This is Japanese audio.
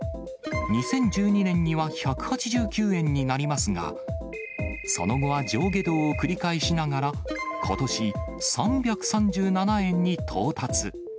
２０１２年には１８９円になりますが、その後は上下動を繰り返しながら、ことし、３３７円に到達。